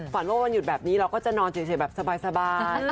ว่าวันหยุดแบบนี้เราก็จะนอนเฉยแบบสบาย